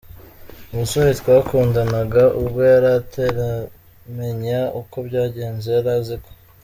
Umusore twakundanaga ubwo yari ataramenya uko byagenze yari aziko